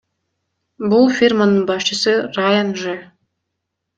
Бул фирманын башчысы Раян Ж.